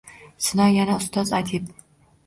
Sino yana ustoz adib